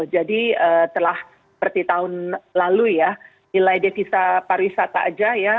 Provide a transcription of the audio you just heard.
jadi telah seperti tahun lalu ya nilai defisa pariwisata aja ya